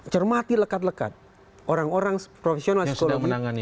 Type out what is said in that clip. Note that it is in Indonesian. cermati lekat lekat orang orang profesional menangani